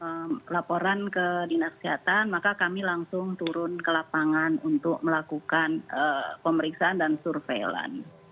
setelah laporan ke dinas kesehatan maka kami langsung turun ke lapangan untuk melakukan pemeriksaan dan surveilan